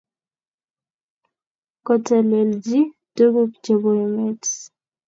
kotelelji tukuk chebo emet